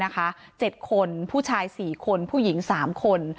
๗คนผู้ชาย๔คนผู้หญิง๓คน